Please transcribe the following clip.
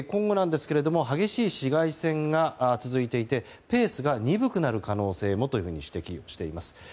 激しい市街戦が続いていてペースが鈍くなる可能性もと指摘されています。